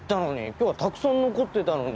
今日はたくさん残ってたのに。